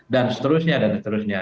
dan seterusnya dan seterusnya